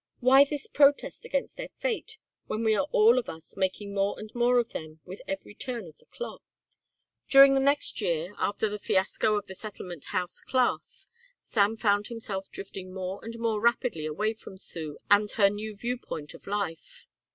Why this protest against their fate when we are all of us making more and more of them with every turn of the clock?" During the next year, after the fiasco of the settlement house class, Sam found himself drifting more and more rapidly away from Sue and her new viewpoint of life.